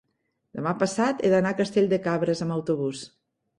Demà passat he d'anar a Castell de Cabres amb autobús.